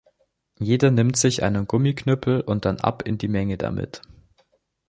Jeder nimmt sich einen Gummiknüppel und dann ab in die Menge damit!